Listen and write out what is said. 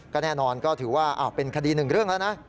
ก็แน่นอนก็ถือว่าเป็นคดีหนึ่งเรื่องแล้วนะ